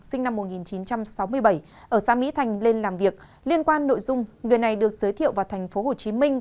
sinh năm một nghìn chín trăm sáu mươi bảy ở xã mỹ thành lên làm việc liên quan nội dung người này được giới thiệu vào thành phố hồ chí minh